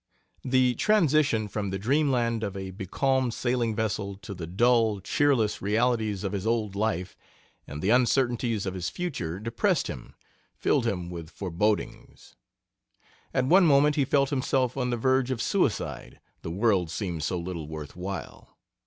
The transition from the dreamland of a becalmed sailing vessel to the dull, cheerless realities of his old life, and the uncertainties of his future, depressed him filled him with forebodings. At one moment he felt himself on the verge of suicide the world seemed so little worth while.